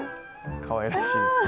かわいらしいですね。